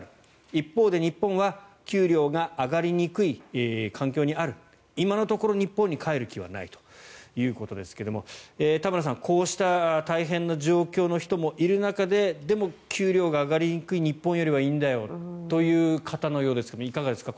一方で日本は給料が上がりにくい環境にある今のところ日本に帰る気はないということですが田村さん、こうした大変な状況の人もいる中ででも、給料が上がりにくい日本よりはいいんだよという方のようですがいかがですか？